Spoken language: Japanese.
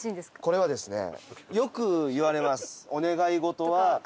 これはですね。